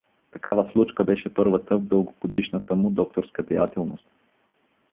Такава случка беше първата в дългогодишната му докторска деятелност.